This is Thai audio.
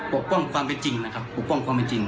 ปกป้องความเป็นจริงนะครับปกป้องความเป็นจริง